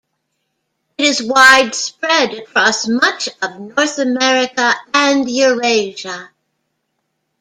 It is widespread across much of North America and Eurasia.